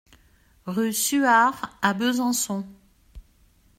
Rue Suard à Besançon